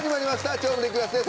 『超無敵クラス』です。